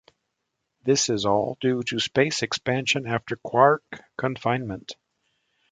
This is all due to space expansion after quark confinement.